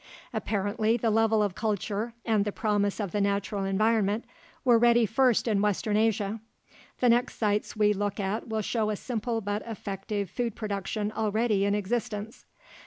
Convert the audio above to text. Apparently, the level of culture and the promise of the natural environment were ready first in western Asia. The next sites we look at will show a simple but effective food production already in existence.